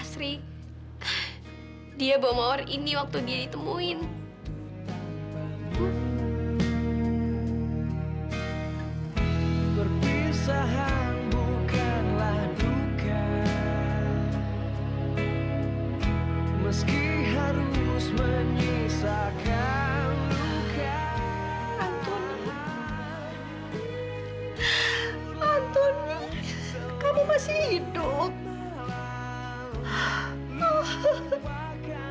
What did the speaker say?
sampai jumpa di video selanjutnya